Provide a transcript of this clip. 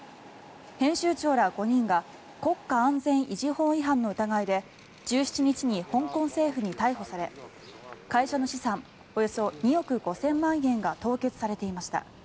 編集長ら５人が国家安全維持法違反の疑いで１７日に香港政府に逮捕され会社の資産およそ２億５０００万円が凍結されていました。